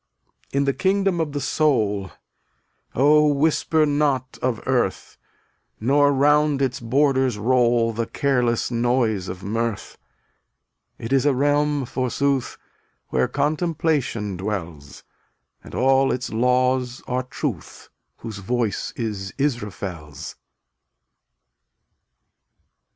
260 In the kingdom of Soul Oh, whisper not of earth, Nor round its borders roll The careless noise of mirth; It is a realm, forsooth, Where Contemplation dwells, And all its laws are Truth, Whose voice is Israfel's.